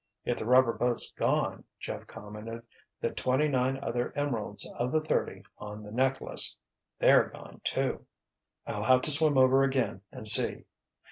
"If the rubber boat's gone," Jeff commented, "the twenty nine other emeralds of the thirty on the necklace—they're gone, too." "I'll have to swim over again and see."